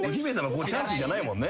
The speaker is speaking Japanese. ここチャンスじゃないもんね。